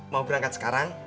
mau berangkat sekarang